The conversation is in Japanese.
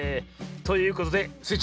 ということでスイ